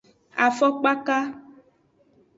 Afokpaka.